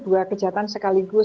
dua kejahatan sekaligus